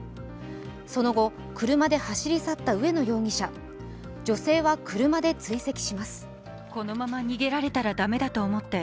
その後、車で走り去った上野容疑者女性は車で追跡します。